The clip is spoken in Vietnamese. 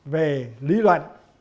về lý luận